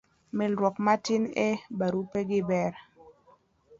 milruok matin e barupe gi ber